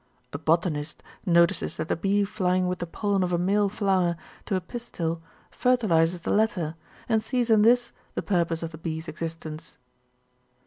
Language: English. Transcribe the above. A botanist notices that the bee flying with the pollen of a male flower to a pistil fertilizes the latter, and sees in this the purpose of the bee's existence.